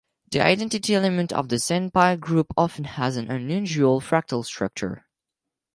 The identity element of the sandpile group often has an unusual fractal structure.